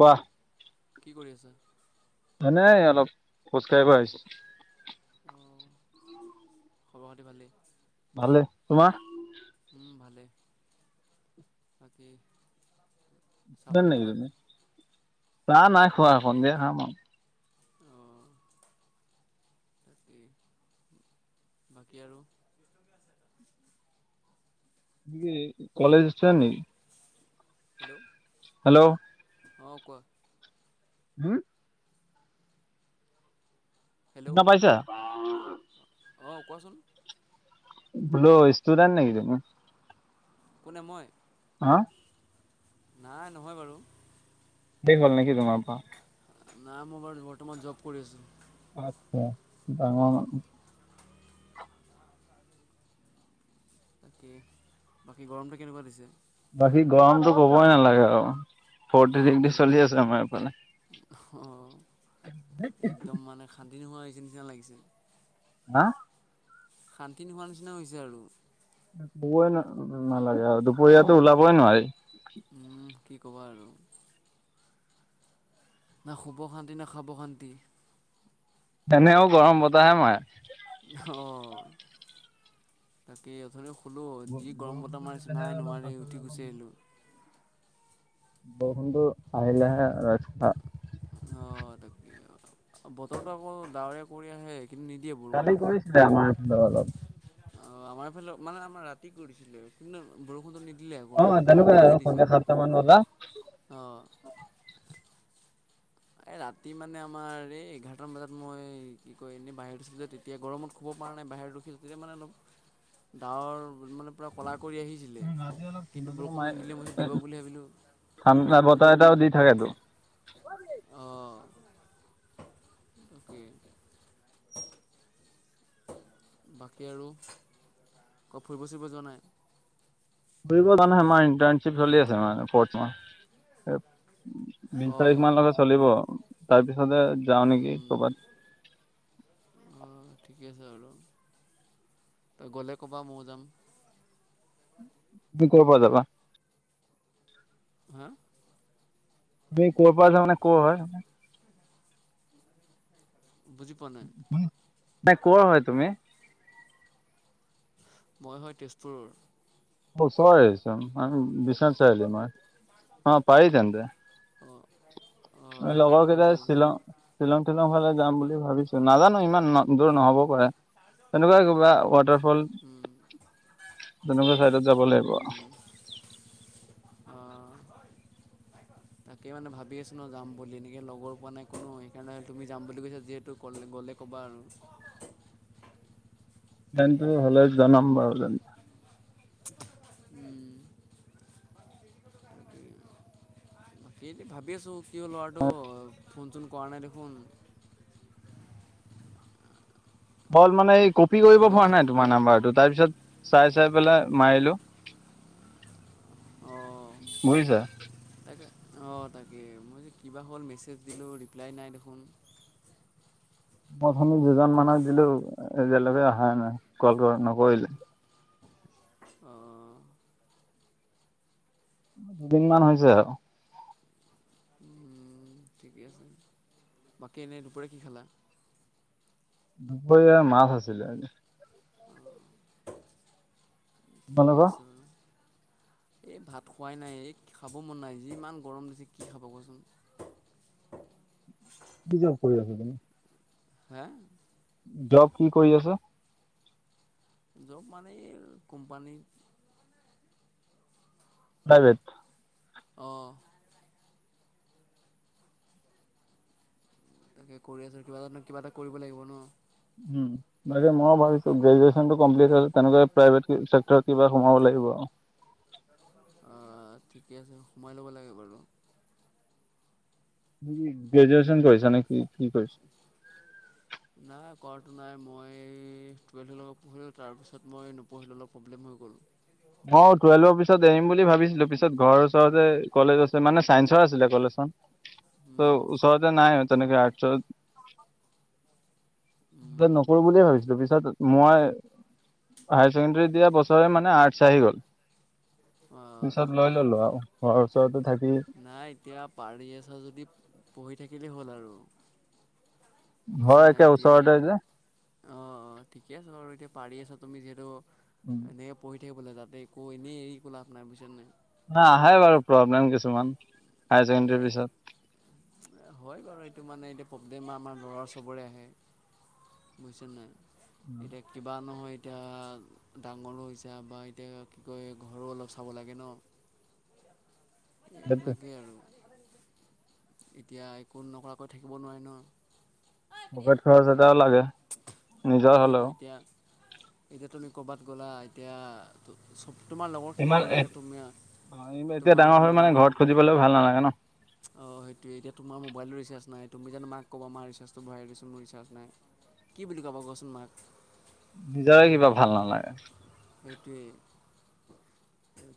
কোৱা- কি কৰি আছা। এ নাই অলপ খোজ কাঢ়িব আহিছো খব খাতি ভালেই- ভালে তোমাৰ- উম ভালে বাকী- চাহ [unintelligible] পানী খালা? চাহ নাই খোৱা সন্ধীয়া খাম অ বাকী আৰু তুমি কি কলেজ ইস্টুডেণ্ট হেল্ল' নেকি। হেল্ল' হেল্ল' অ কোৱা- হম হেল্ল' শুনা পাইছা অঁ কোৱাচোন বোলো ইস্টুডেণ্ট নেকি কোনে মই হা নাই নহয়। বাৰু দেখ হ'ল নেকি তোমাৰ পৰা- নাই মই বাৰু বৰ্তমান জব কৰি আছো। আচছা ডাঙৰ মানুহ বাকী বাকী গৰমটো কেনেকুৱা দিছে। বাকী গৰমতো কবই নালাগে আৰু- ফৰটি উম ডীগ্ৰী এক চলি আছে আমাৰফালে- অঁ একদম মানে শান্তি নোহোৱা হৈছে নিচিনা লাগিছে। হা শান্তি নোহোৱা নিচিনা হৈছে। আৰু কবই নালাগে আৰু দুপৰীয়াতো ওলাবই নোৱাৰি উম কি ক'বা আৰু না শুব শান্তি না খাব শান্তি এনেও গৰম বতাহে মাৰে। অ তাকে অথ হ'লো যি গৰম বৰষুণটো বতাহ মাৰিছে দিলেহে নাই অলপ নোৱাৰি বাচা উঠি গুচি আহিলোঁ বৰষুণ টো আহিলেহে ৰক্ষা। অ তাকে আও বতৰটো আকৌ ডাৱৰীয়া কৰি আহে। কিন্তু নিদিয়ে কালি বৰষুণটো কৰিছিলে আমাৰফালে অলপ অ আমাৰ এইফালে মানে আমাৰ ৰাতি কৰিছিলে কিন্তু বৰষুণ অ তেনেকুৱা আৰু চাৰে সাতটা মান বজাত অঁ এ‌ ৰা ৰাতি মানে আমাৰ এই এঘাৰটা মান বজাত মই কি কয় এনেই বাহিৰত আছিলো যে তেতিয়া গৰমত শুব পৰা নাই বাহিৰত, ৰখিল তেতিয়া মানে অলপ ডাৱৰ মানে ক'লা কৰি আহিছিলে ৰাতি অলপ কিন্তু ঠাণ্ডা বৰষুণটো নিদিলে মই দিব বুলি ভাবিলোঁ নমাই ঠাণ্ডা বতাহ এটাও দি তাকেটো অ কি? বাকী আৰু কতো ফুৰিব চুৰিব যোৱা নাই? ফুৰিব যোৱা নাই আমাৰ ইটাৰশ্বিপ চলি আছে মানে বিশ অঁ তাৰিখ মানলৈকে চলিব। অঁ তাৰপিছতে যাও নেকি কৰ'বাত। অঁ ঠিকে আছে বাৰু তই গ'লে ক'বা ময়ো যাম তুমি কৰপৰা যাবা? হা ত ক'ৰ পৰা আছ মানে ক' হয় ম বুজি পোৱা নাই। নাই কৰ হয় তুমি? মই হয় তেজপুৰৰ। অ ওচৰৰে চোন বিশ্বনাথ চাৰিআলি মই অ পাৰি তেন্তে, অ লগৰ কেইটাই শ্বিলং -শ্বিলং -টিলং ফালে যাম বুলি ভাবিছো নাজানো ইমানত দূৰ নহ'বও পাৰে তেনেকুৱা কিবা ৱাটাৰ ফল উম তেনেকুৱা চাইডত যাব লাগিব উম অ। তাকে মানে ভাবি আছোঁ ন যাম বুলি এনেকৈ লগৰ পোৱা নাই কোনো সেইকাৰণে তুমি যাম বুলি যিহেতু ক'লে গ'লে ক বাৰু তেন্তু হ'লে জনাম বাৰু তেন্তে। হম। বাকী ভাবি আছোঁ কিয় ল'ৰাটো।। ফোন চোন কৰা নাই দেখোন। হল মানে এই কপি কৰিব হেল্ল' পৰা নাই তোমাৰ নাম্বাৰটোত তাৰ পিছত চাই -চাই পেলাই মাৰিলো অঁ বুজিছা তাকে অঁ তাকে মই যে কিবা হ'ল মেছেজ দিলোঁ ৰিপ্লাই নাই দেখোন মই অথনি‌ দুজন মানুহক দিলো এতিয়ালৈকে অহাই নাই কল নকৰিলে। অহ দুদিনমান হৈছে আৰু। ঠিকে আছে বাকী এনেই দুপৰীয়া কি খালা? দুপৰীয়া মাছ আছিলে আজি। অঁ ঠিকে তোমালোকৰ আছে এই ভাত খোৱাই নাই ৰে খাব মন নাই যিমান গৰম হৈছে কি খাব কোৱাচোন। [unintelligible] কি জব কৰি আছে আপুনি। হা! জব কি কৰি আছে? জব মানে, এই কোম্পানী। প্ৰাইভেট অ'! তাকে কৰি আছোঁ। কিবা এটা, কিবা এটা কৰিব লাগিব ন'। উম, বাকী মই ভাবিছোঁ, গ্ৰেজুৱেশ্চনটো কমপ্লিট হ'ল। তেনেকে, প্ৰাইভেটকে, চেক্টৰত এইবাৰ সোমাব লাগিব আৰু। অ'! ঠিকে আছে। সোমাই ল'ব লাগে বাৰু। গ্ৰেজুৱেশ্চন কৰিছা নে কি? কি কৰিছ? নাই কৰাটো নাই। মই টুৱেলভৰ লৈকে পঢ়িলোঁ। তাৰপিছত, মই নপঢ়িলোঁ, অলপ প্ৰব্লেম হৈ গ'ল। অ'! টুৱেল্ভৰ পিছত এৰিম বুলি ভাবিছিলোঁ। পিছত, ঘৰ ওচৰতে কলেজ আছে। মানে, চাইন্সৰ আছিলে কলেজখন। ত' উম ওচৰতে নাই তনেকে আৰ্টছত। উম নকৰোঁ বুলিয়ে ভাবিছিলোঁ। পিছত মই, হায়াৰ ছেকেণ্ডৰী দিয়া বছৰে মানে, আৰ্টছ আহি গ'ল। অঁ তাৰপিছত লৈ ঠিকে আছে ললোঁ আৰু ঘৰ ওচৰত। নাই। এতিয়া, পাৰি আছা যদি, পঢ়ি থাকিলেই হ'ল আৰু। ঘৰ বুজিছা একে নাই এতিয়া! অ'! ওচৰতে যে অ'! ঠিকে আছে বাৰু এতিয়া। পাৰি আছা তুমি যিহেতু, এনেকৈ পঢ়ি থাকিব লাগে। তাতে একো এনেই এৰি একো লাভ নাই বুজিছা নাই। ন' আহে বাৰু প্ৰব্লেম কিছুমান। হায়াৰ এ ছেকেণ্ডাৰীৰ পিছত হয় বাৰু এইটো মানে, এতিয়া প্ৰব্লেম আমাৰ ল'ৰা চবৰে আহে। বুজিছা নাই? এতিয়া কিবা নহয়। এতিয়া ডাঙৰো হৈছে বা এতিয়া কি কয় ঘৰো অলপ চাব লাগে ন'। সেইটোৱে লাগে আৰু। এতিয়া একো নকৰাকৈ থাকিব নোৱাৰি নহয়। পকেট খৰচ এটাও লাগে, নিজৰ সেইটোৱেতো হ'লেও। এতিয়া এতিয়া, তুমি কৰ'বাত গ'লা এতিয়া তোমাৰ লগৰখিনি ইমান, গ'লে এতিয়া তুমি এতিয়া তোমাৰ ডাঙৰ হৈ লগৰ মানে ঘৰত খুজিবলৈও ভাল নালাগে ন'। অ'! সেইটোৱে, এতিয়া তোমাৰ মোবাইলটো ৰিচাৰ্জ নাই, তুমি জানোঁ মাক ক'বা, মা ৰিচাৰ্জটো ভৰাই দ দেচোন, মোৰ ৰিচাৰ্জ নাই। কি বুলি ক'বা কোৱাচোন মাক? নিজৰে কিবা ভাল নালাগে। সেইটোৱেই।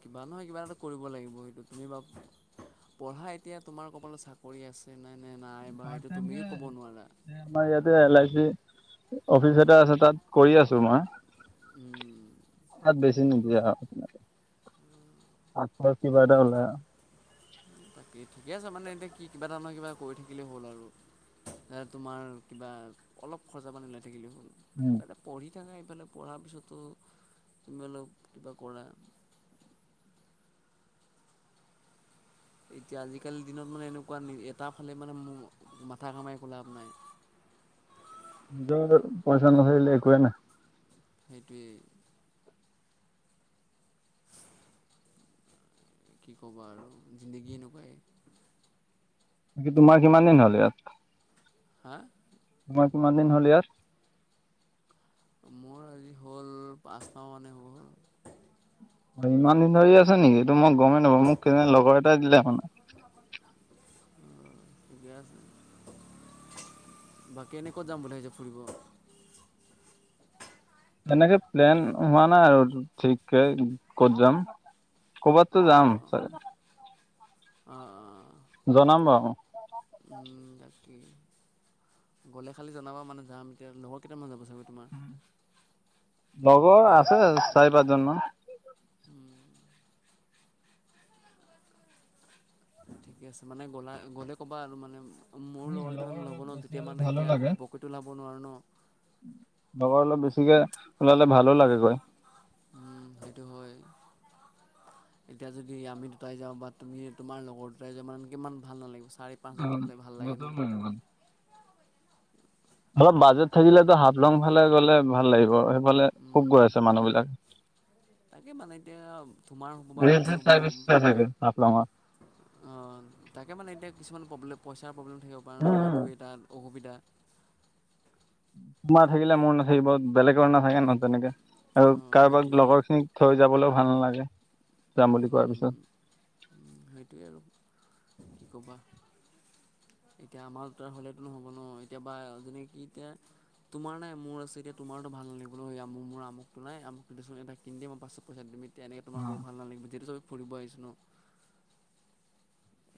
কিবা নহয়, কিবা এটা কৰিব লাগিব। সেইটো তুমি বাও পঢ়া এতিয়া, তোমাৰ কপালত চাকৰি আছে। নাই নে নাই বা পাৰ্ট সেইটো তুমিও ক'ব নোৱাৰা টাইমকে আমাৰ ইয়াতে এলাইচি অফিচ এটা আছে তাত, কৰি আছো মই। উম, তাত বেছি নিদিয়ে আও আচলত কিবা এটা ওলাই আও। তাকে, ঠিকে আছে মানে এতিয়া কি, কিবা এটা নহয় কিবা, কৰি থাকিলেই হ'ল আৰু। তোমাৰ কিবা অলপ খৰচা পানী ওলাই থাকিলেও হ'ল। উম তাতে, পঢ়ি থাকা এইফালে, পঢ়াৰ পিছতো, তুমি অলপ কিবা কৰা [inaudible] এতিয়া আজিকালিৰ দিনত মানে, এনেকোৱা এটা ফালে মানে, মাথা ঘমাই একো লাভ নাই। [unintelligible] নিজৰ পইচা নহ'লে একোৱেই নাই। সেইটোৱেই। ! কি ক'বা আৰু জিন্দগী এনেকোৱাই। বাকি তোমাৰ কিমান দিন হ'ল ইয়াত? হা। তোমাৰ কিমান দিন হ'ল ইয়াত, মোৰ আজি হ'ল পাঁচ মাহ মানে হল। ইমান দিন ধৰি আছে নেকি এইটো মই গমেই নাপা মোকেই লগৰ এটাই দিলে মানে, অ ঠিকে আছে। বাকী এনে ক'ত যাম বুলি ভাবিছে ফুৰিব কাৰণে? এনেকে প্লেন হোৱা নাই আৰু ঠিককে ক'ত যাম কৰবাততো যাম চাগে। অ অ'। জনাম বাও। কি গ'লে খালি জনাবা মানে যাম এতিয়া লগৰ কেইটামান যাব চাগৈ তোমাৰ? লগৰ আছে চাৰি পাঁচ জন মান। ঠিকে আছে মানে গ'লা গ'লে ক'বা আৰু মানে, মোৰ উম লগৰ কেইটা মানে ল'ব অলপ ন বেছি তেতিয়া হলে মানে ভালো এতিয়া লাগে ঘপকৈতো ল'ব নোৱাৰো ন। লগৰ অলপ বেছিকে ওলালে ভাল। উম সেইটো হয়। এতিয়া যদি আমি দুটাই যাওঁ বা তুমি তোমাৰ লগৰ দুটাই যা মানে কিমান ভাল নালাগিব। চাৰি পাঁচজনমান হ'লে ভাল লাগে ন। অ' অলপ বাজেট থাকিলেতো হাফলং ফালে গলে ভাল লাগিব সেইফালে খুব গৈ উম, আছে মানুহবলাকে। তাকে মানে এতিয়া তোমাৰ হ'ব বা ৰিল মোৰ চিল হ'ব। চাই বেছি চাই চাগে হাফলঙত অ তাকে মানে এতিয়া কিছুমান প্ৰব্লেম পইচাৰ প্ৰব্লেম থাকিব পাৰে ন সেইটো এটা অসুবিধা, তোমাৰ থাকিলে মোৰ নাথাকিব বেলেগৰ নাথাকে, নহয় তেনেকে। আৰু অ' কাৰোবাক সেইটোৱেই লগৰ খিনিক থৈ যাবলৈ ভাল নালাগে যাম বুলি কোৱাৰ পিছত। সেইটোৱেই আৰু কি ক'বা। এতিয়া আমাৰ তাৰ হলেতো নহ'ব ন এতিয়া বা যনে কি এতিয়া। তোমাৰ নাই মোৰ আছে এতিয়া তোমাৰো ভাল লাগিবল মোৰ আমোক তো নাই আমক দেচোন এটা কিন দেচোন মই পাছত পইচা দিম। তেনেকে তোমাকব ভালাগিব যিহেতু ফুৰিব আহিছো ন।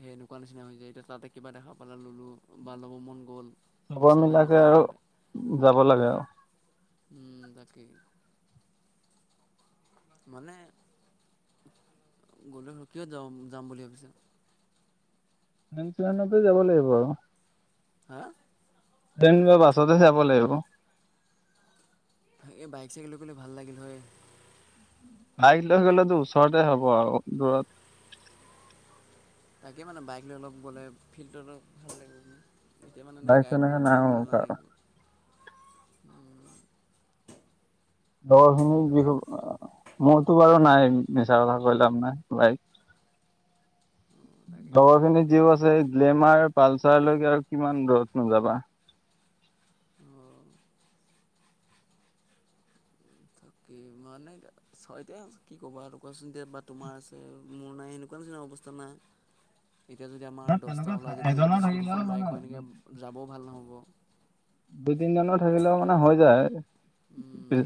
সেই এনেকুৱা নিচিনা হৈ যায় এতিয়া তাতে কিবা দেখা পালাই ল'লো বা ল'ব মন গ'ল, চবৰ পইচা নাই ল'ব মিলাকে নোৱাৰিলে আৰু যাব লাগে আৰু উম তাকে মানে? গ'লে কিহত যাম বুলি ভাবিছা? টেইন খনতে যাব লাগিব, আৰু হা। টেইন বা বাছতে যাব লাগিব। এই বাইক চাকেল লৈ গ'লে ভাল লাগিল হয়। বাইকলৈ গ'লেতো ওচৰতে হ'ব আৰু দূৰত, তাকে মানে বাইক লৈ অলপ গ'লে ফিল্ডত ভাল লাগিব মানে, এতিয়া মানে নাই বাইক গাড়ীত গ'লে তেনেকে নাই ইমান মোৰ ভাল কাৰ। নালাগিব। উম। দহ মিনি বি মইতো কাৰ। নাই মিছা কথা কৈ লাভ নাই বাইক। তাকে মানে খবৰ খিনি যিও আমাৰ আছে গ্লেমাৰ পালচাৰলৈকে আৰু কিমান দৰত নোযাবা। কি মানে ছ এতি কি ক'বা আৰু কোৱাচোনতি বা তোমাৰ আছে মোৰ নাই এনেকুৱা নিচি অৱস্থা নাই। এতিয়া যদি আমাৰ দহটা ওলাই যদি দু দুখন বাইক হয় এনেকৈ যাবও ভাল নহ'ব। দুই তিনিজনৰ থাকিলেও মানে হৈ যায়।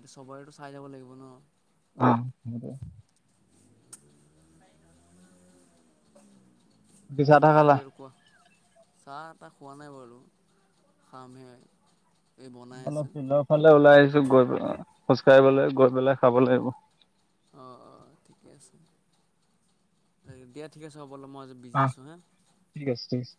এইটো চবৰেটো চাই যাব লাগিব ন। আহ। চাহ টাহ বাকী খালা? আৰু কোৱা চাহ তাহ খোৱা নাই বাৰু খামহে। এই বনাই অলপ আছে ফিল্ড ফালে ওলাই আহিছোঁ গৈ খোজ কাঢ়িবলৈ গৈ পেলাই খাব লাগিব। অ অ ঠিকে আছে দিয়া ঠিক আছে হ'ব। মই অলপ আজি বিজি অ আছোঁ হয়নে। ঠিক আছে ঠিক আছে।